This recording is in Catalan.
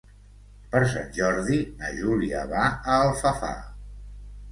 Per Sant Jordi na Júlia va a Alfafar.